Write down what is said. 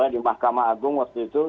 di mahkamah agung waktu itu